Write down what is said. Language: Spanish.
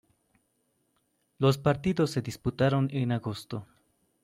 Los partidos se disputaron en agosto.